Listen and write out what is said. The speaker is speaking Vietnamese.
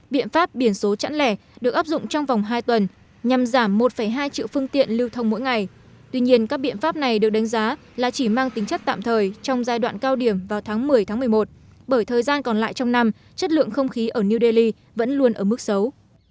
biện pháp biển số chẵn lẻ được áp dụng trong vòng hai tuần nhằm giảm một hai triệu phương tiện lưu thông mỗi ngày tuy nhiên các biện pháp này được đánh giá là chỉ mang tính chất tạm thời trong giai đoạn cao điểm vào tháng một mươi tháng một mươi một bởi thời gian còn lại trong năm chất lượng không khí ở new delhi vẫn luôn ở mức xấu